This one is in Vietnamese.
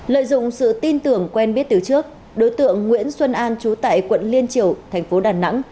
lợi dụng sự tin tưởng quen biết từ trước đối tượng nguyễn xuân an trú tại quận liên triều thành phố đà nẵng